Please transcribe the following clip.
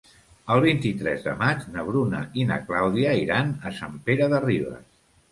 El vint-i-tres de maig na Bruna i na Clàudia iran a Sant Pere de Ribes.